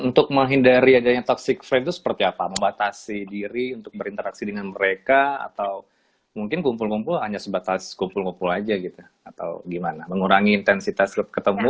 untuk menghindari adanya toxic frame itu seperti apa membatasi diri untuk berinteraksi dengan mereka atau mungkin kumpul kumpul hanya sebatas kumpul kumpul aja gitu atau gimana mengurangi intensitas ketemu